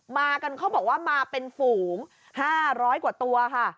มากันเขาบอกว่ามาเป็นฝูง๕๐๐กว่าตัวค่ะ